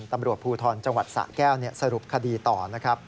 ตำรวจภูทรจังหวัดสะแก้วสรุปคดีต่อนะครับ